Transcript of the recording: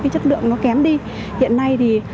chất lượng nó kém đi hiện nay thì